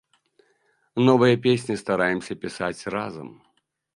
Новыя песні стараемся пісаць разам.